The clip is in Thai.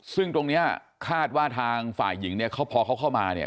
ซึ่งตรงเนี้ยคาดว่าทางฝ่ายหญิงเนี่ยเขาพอเขาเข้ามาเนี่ย